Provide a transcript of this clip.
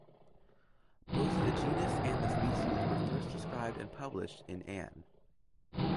Both the genus and the species were first described and published in Ann.